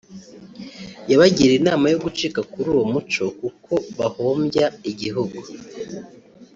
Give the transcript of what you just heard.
yabagiriye inama yo gucika kuri uwo muco kuko bahombya igihugu